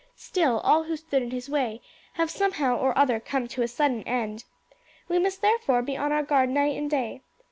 Still all who stood in his way have somehow or other come to a sudden end. We must therefore be on our guard night and day.